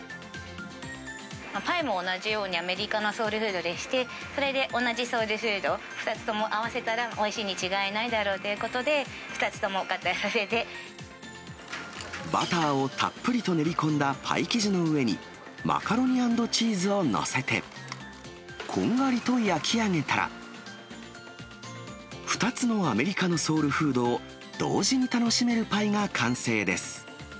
パイも同じように、アメリカのソウルフードでして、それで同じソウルフード、２つとも合わせたらおいしいに違いないだろうということで、バターをたっぷりと練り込んだパイ生地の上に、マカロニ＆チーズを載せて、こんがりと焼き上げたら、２つのアメリカのソウルフードを同時に楽しめるパイが完成です。